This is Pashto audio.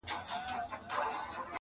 اوپر هر میدان کامیابه پر دښمن سې؛